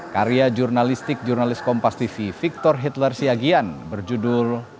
karya jurnalistik jurnalis kompas tv victor hitler siagian berjudul